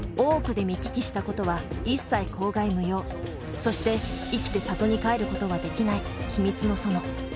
そして生きて郷に帰ることはできない秘密の園。